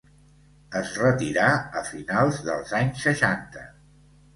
Es retirà a finals dels anys seixanta.